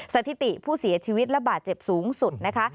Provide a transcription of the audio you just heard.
สถิติผู้เสียชีวิตและบาดเจ็บสูงสุดนะคะ